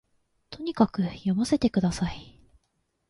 とにかく読ませて下さい